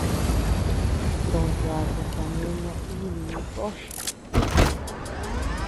To yaku kane naidii koo.